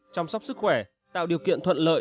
chăm sóc sức khỏe tạo điều kiện thuận lợi